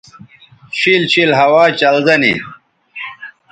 شِیل شِیل ہوا چلزہ نی